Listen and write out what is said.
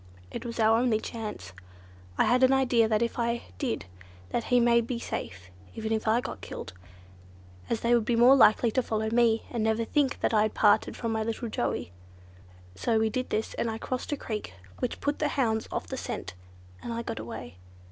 It was our only chance. I had an idea that if I did that he would be safe—even if I got killed; as they would be more likely to follow me, and never think I had parted from my little Joey. So we did this, and I crossed a creek, which put the hounds off the scent, and I got away.